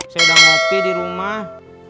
saya udah ngopi di rumah